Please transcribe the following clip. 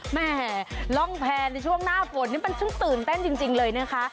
แหมร่องแพรในช่วงหน้าฝนนี่มันฉันตื่นเต้นจริงเลยนะคะ